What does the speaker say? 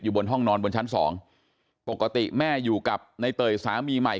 บนห้องนอนบนชั้นสองปกติแม่อยู่กับในเตยสามีใหม่